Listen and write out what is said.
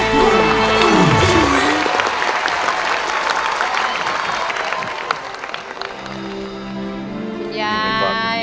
คุณยาย